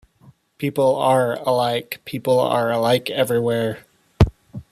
People "are" alike... people are alike everywhere!